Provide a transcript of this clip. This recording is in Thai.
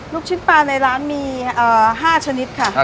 ลูกชิ้นปลาในร้านมี๕ชนิดค่ะ